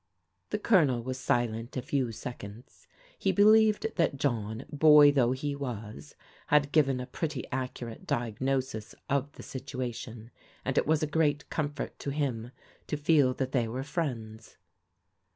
The Colonel was silent a few seconds. He believed that John, boy though he was, had given a pretty accu rate diagnosis of the situation, and it was a great comfort to him to feel that they were friends.